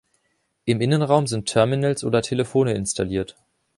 Im Innenraum sind Terminals oder Telefone installiert.